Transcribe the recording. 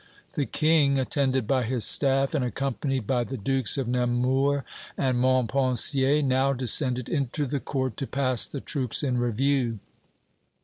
The King, attended by his staff and accompanied by the Dukes of Nemours and Montpensier, now descended into the court to pass the troops in review.